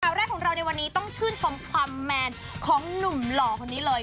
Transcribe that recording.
แรกของเราในวันนี้ต้องชื่นชมความแมนของหนุ่มหล่อคนนี้เลย